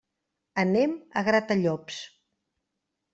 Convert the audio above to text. Anem a Gratallops.